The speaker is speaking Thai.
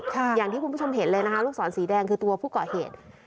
อย่างที่คุณผู้ชมเห็นเลยนะคะลูกศรสีแดงคือตัวผู้ก่อเหตุ